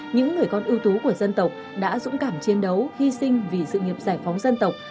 những người con ưu tú của dân tộc đã dũng cảm chiến đấu hy sinh vì sự nghiệp giải phóng dân tộc